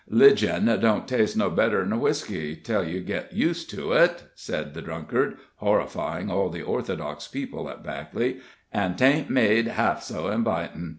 "'Ligion don't taste no better'n whiskey, tell you get used to it," said the drunkard, horrifying all the orthodox people at Backley, "an' taint made half so invitin'.